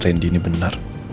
randy ini benar